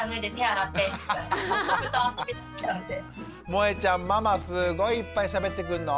もえちゃんママすごいいっぱいしゃべってくんの？